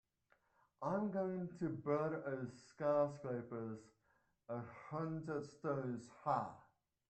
I'm going to build skyscrapers a hundred stories high.